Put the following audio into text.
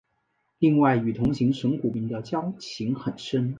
另外与同行神谷明的交情很深。